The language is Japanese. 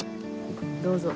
どうぞ。